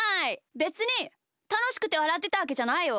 べつにたのしくてわらってたわけじゃないよ。